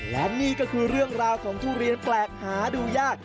และนี่ก็คือเรื่องราวของทุเรียนแปลกหาดูยาก